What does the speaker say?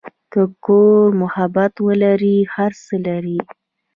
که کور محبت ولري، هر څه لري.